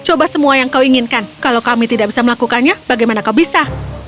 ibu dan kedua putrinya berkata